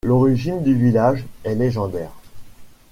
L'origine du village est légendaire.